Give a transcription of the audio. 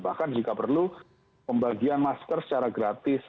bahkan jika perlu pembagian masker secara gratis